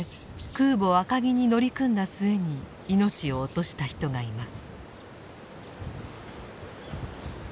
空母赤城に乗り組んだ末に命を落とした人がいます。